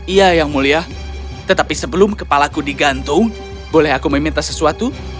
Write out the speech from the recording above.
iya yang mulia tetapi sebelum kepalaku digantung boleh aku meminta sesuatu